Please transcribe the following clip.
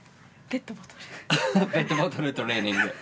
ペットボトルトレーニング。